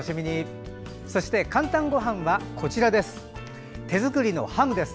そして「かんたんごはん」は手作りのハムです。